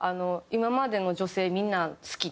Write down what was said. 今までの女性みんな好きって。